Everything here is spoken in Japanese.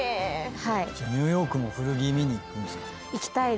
じゃあニューヨークも古着見に行く？行きたいです。